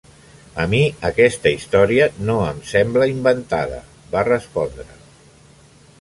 "A mi aquesta història no em sembla inventada", va respondre.